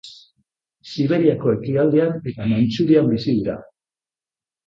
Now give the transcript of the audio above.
Siberiako ekialdean eta Mantxurian bizi dira.